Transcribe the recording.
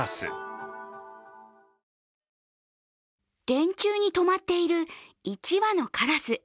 電柱に止まっている１羽のからす。